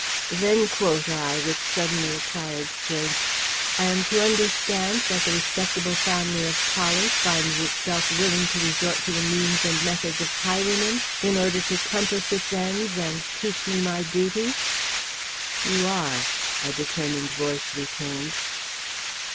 "Then," quoth I, with suddenly acquired strength, "I am to understand that the respectable family of Pollard finds itself willing to resort to the means and methods of highwaymen in order to compass its ends and teach me my duty." "You are," a determined voice returned.